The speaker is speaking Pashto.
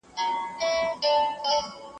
د هرې ښځي اصلي ځای د هغې د خاوند کور دی.